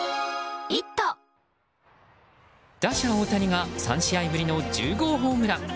打者・大谷が３試合ぶりの１０号ホームラン。